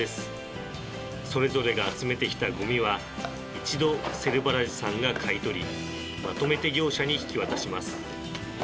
それぞれが集めてきたゴミは一度セルバラジさんが買い取りまとめて業者に引き渡します。